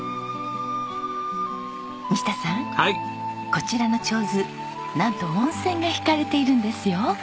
こちらの手水なんと温泉が引かれているんですよ。